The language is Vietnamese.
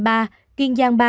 phú yên một năm